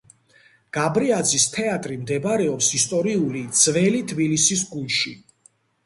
გაბრიაძის თეატრი მდებარეობს ისტორიული ძველი თბილისის გულში.